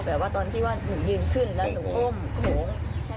แต่ว่าตอนที่ว่าหนูยืนขึ้นแล้วหนูก้มขโมง